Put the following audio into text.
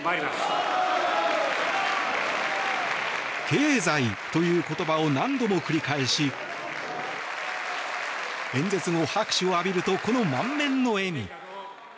経済という言葉を何度も繰り返し演説後、拍手を浴びるとこの満面の笑み。